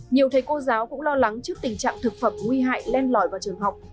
nhiều thấy cô giáo cũng lo lắng trước tình trạng thực phẩm nguy hại lên lõi vào trường học